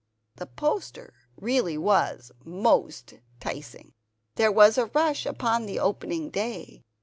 The poster really was most 'ticing. There was a rush upon the opening day.